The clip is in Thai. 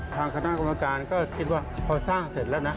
ทางคณะกรรมการก็คิดว่าพอสร้างเสร็จแล้วนะ